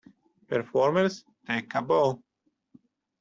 Performers, take a bow!